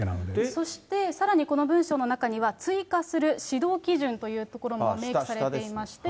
そして、さらにこの文書の中には、追加する指導基準というところも明記されていまして。